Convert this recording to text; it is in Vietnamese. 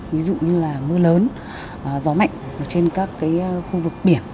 ví dụ như là mưa lớn gió mạnh trên các khu vực biển